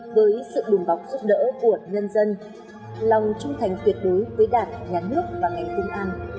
với sự đùm bọc giúp đỡ của nhân dân lòng trung thành tuyệt đối với đảng nhà nước và ngày cung ăn